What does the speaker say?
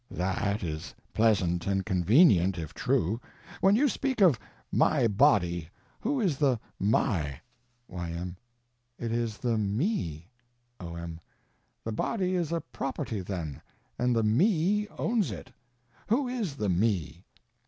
That is pleasant and convenient, if true. When you speak of "my body" who is the "my"? Y.M. It is the "me." O.M. The body is a property then, and the Me owns it. Who is the Me?